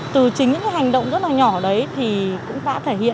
từ chính những cái hành động rất là nhỏ đấy thì cũng đã thể hiện